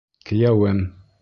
Кейәүем!